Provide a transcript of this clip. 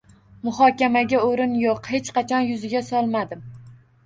Muhokamaga oʻrin yoʻq, hech qachon yuziga solmadim.